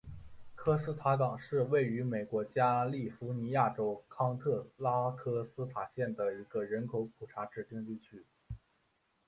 科斯塔港是位于美国加利福尼亚州康特拉科斯塔县的一个人口普查指定地区。